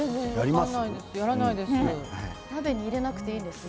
やらないですね。